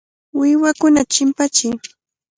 Uywakunata chimpachiy.